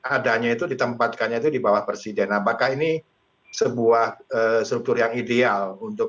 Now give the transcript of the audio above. adanya itu ditempatkannya itu di bawah presiden apakah ini sebuah struktur yang ideal untuk